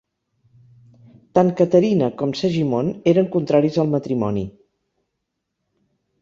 Tant Caterina com Segimon eren contraris al matrimoni.